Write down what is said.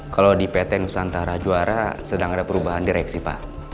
kalau di pt nusantara juara sedang ada perubahan direksi pak